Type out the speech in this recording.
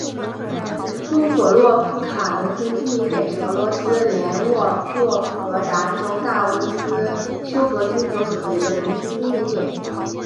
苏索洛夫卡农村居民点是俄罗斯联邦沃洛格达州大乌斯秋格区所属的一个农村居民点。